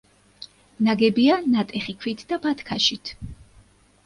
ნაგებია ნატეხი ქვით და ბათქაშით.